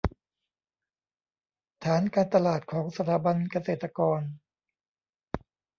ฐานการตลาดของสถาบันเกษตรกร